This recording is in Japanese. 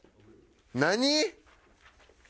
何？